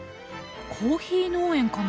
コーヒー農園かな？